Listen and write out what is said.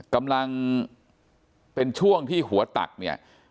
กำลังเป็นช่วงที่หัวตักเนี่ย